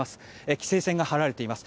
規制線が張られています。